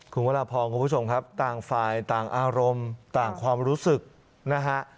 คุณวรพรคุณผู้ชมครับต่างฝ่ายต่างอารมณ์ต่างความรู้สึกนะฮะ